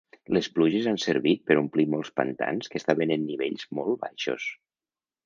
Les pluges han servit per omplir molts pantans que estaven en nivells molt baixos.